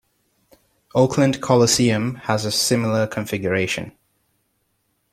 Oakland Coliseum has a similar configuration.